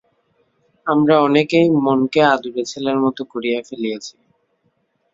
আমরা অনেকেই মনকে আদুরে ছেলের মত করিয়া ফেলিয়াছি।